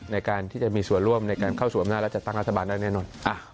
ในการที่จะมีส่วนร่วมในการเข้าสู่อำนาจและจัดตั้งรัฐบาลได้แน่นอน